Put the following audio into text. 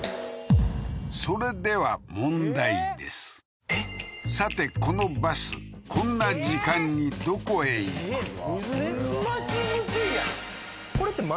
それではさてこのバスこんな時間にどこへ行く？ええーむずくね？